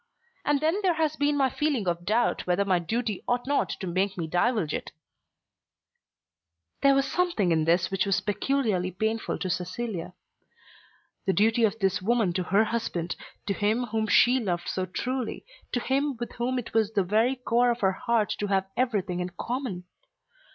And then there has been my feeling of doubt whether my duty ought not to make me divulge it." There was something in this which was peculiarly painful to Cecilia. The duty of this woman to her husband, to him whom she loved so truly, to him with whom it was in the very core of her heart to have everything in common!